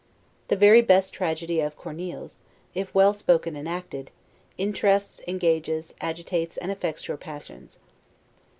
The very best tragedy of, Corneille's, if well spoken and acted, interests, engages, agitates, and affects your passions.